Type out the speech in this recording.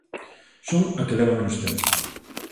Son a que leva menos tempo.